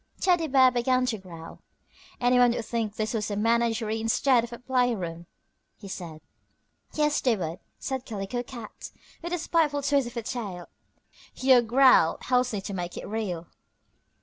Teddy Bear began to growl. "Anyone would think this was a menagerie instead of a playroom," he said. "Yes, they would," said Calico Cat, with a spiteful twist of her tail. "Your growl helps me to make it real."